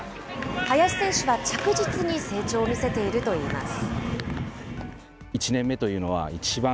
林選手は着実に成長を見せているといいます。